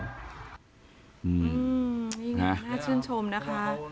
อืมน่าชื่นชมนะคะ